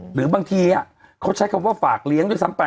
หรือบางทีเขาใช้คำว่าฝากเลี้ยงด้วยซ้ำไป